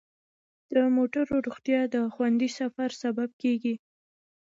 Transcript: د موټرو روغتیا د خوندي سفر سبب کیږي.